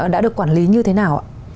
đã được quản lý như thế nào ạ